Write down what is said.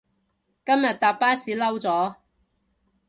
今日搭巴士嬲咗